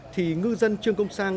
thì ngư dân trương công sang